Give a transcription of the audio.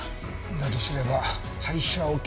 だとすれば廃車置き場。